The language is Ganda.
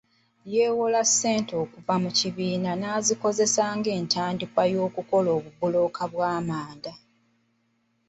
Yeewola ssente okuva mu bibiina n'azikozesa nga entandikwa y'okukola obubulooka bw'amanda.